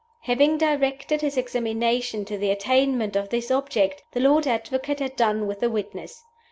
Having directed his examination to the attainment of this object, the Lord Advocate had done with the witness.